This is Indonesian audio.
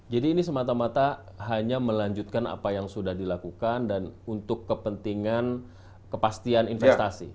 jadi ini semata mata hanya melanjutkan apa yang sudah dilakukan dan untuk kepentingan kepastian investasi